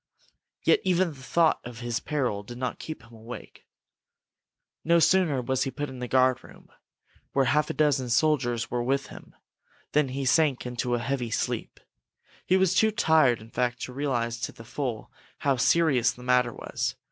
Yet even the thought of his peril did not keep him awake. No sooner was he put in the guard room, where half a dozen soldiers were with him, than he sank into a heavy sleep. He was too tired, in fact, to realize to the full how serious the matter was.